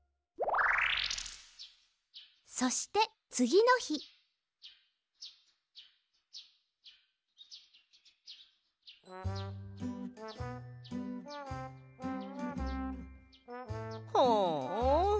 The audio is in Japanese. そしてつぎのひはあ。